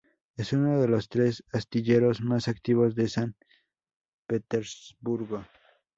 Es uno de los tres astilleros más activos de San Petersburgo.